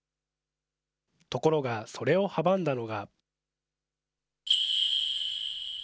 ところが、それを阻んだのが。